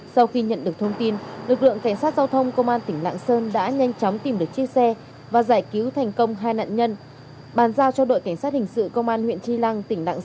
sau khi nhận được thông tin lực lượng cảnh sát giao thông công an tỉnh lạng sơn đã nhanh chóng tìm được chiếc xe và giải cứu thành công hai nạn nhân